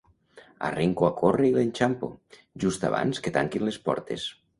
Arrenco a córrer i l'enxampo, just abans que tanquin les portes.